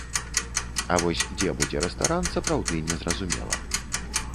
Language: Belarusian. А вось дзе будзе рэстаран, сапраўды незразумела.